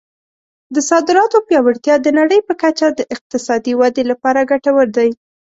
د صادراتو پیاوړتیا د نړۍ په کچه د اقتصادي ودې لپاره ګټور دی.